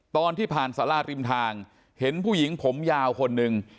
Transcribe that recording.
ตอนที่ผ่านสาราริมทางเห็นผู้หญิงผมยาวคนหนึ่ง